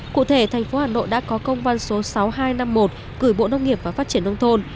cụ thể thành phố hà nội đã có công văn số sáu nghìn hai trăm năm mươi một gửi bộ nông nghiệp và phát triển nông thôn